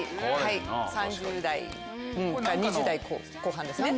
３０代２０代後半ですね。